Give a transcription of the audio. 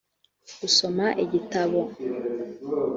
gusoma igitabo